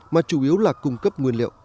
mà chủ yếu là cung cấp nguyên liệu